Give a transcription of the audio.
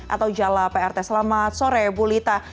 atau jala prt selamat sore bulita